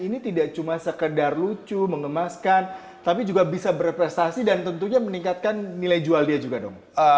ini tidak cuma sekedar lucu mengemaskan tapi juga bisa berprestasi dan tentunya meningkatkan nilai jual dia juga dong